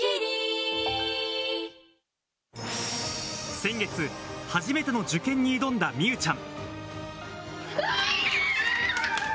先月、初めての受験に挑んだ美羽ちゃん。